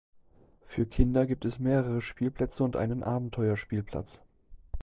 Für Kinder gibt es mehrere Spielplätze und einen Abenteuerspielplatz.